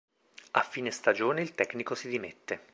A fine stagione il tecnico si dimette.